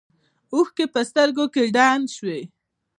اوښکې په سترګو کې ډنډ شوې.